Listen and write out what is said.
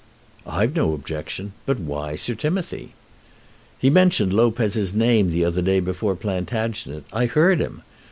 "I've no objection. But why Sir Timothy?" "He mentioned Lopez' name the other day before Plantagenet. I heard him.